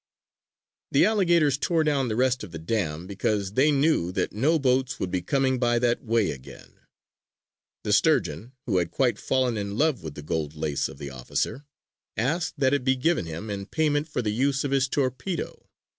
The alligators tore down the rest of the dam, because they knew that no boats would be coming by that way again. The Sturgeon, who had quite fallen in love with the gold lace of the officer, asked that it be given him in payment for the use of his torpedo.